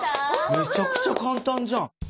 めちゃくちゃ簡単じゃん。